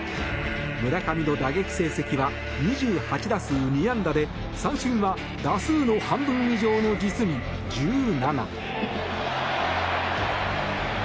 村上の打撃成績は２８打数２安打で三振は打数の半分以上の実に１７。